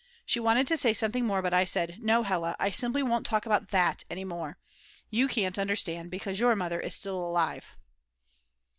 She wanted to say something more, but I said: "No, Hella, I simply won't talk about that any more. You can't understand, because your mother is still alive."